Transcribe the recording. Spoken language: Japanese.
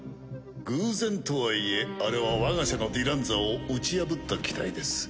偶然とはいえあれは我が社のディランザを打ち破った機体です。